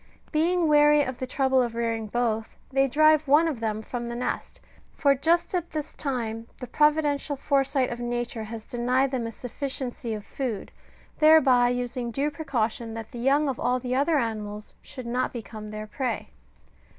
Being weary of the trouble of rearing both, they drive one of them from the nest : for just at this time the providential foresight of Nature has denied them a suf&ciency of food, thereby using due precaution that the young of all the other animals should not become their prey.